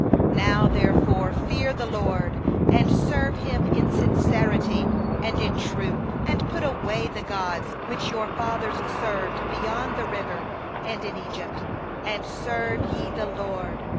14Now therefore fear the LORD, and serve Him in sincerity and in truth; and put away the gods which your fathers served beyond the River, and in Egypt; and serve ye the LORD.